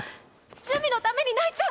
珠魅のために泣いちゃ。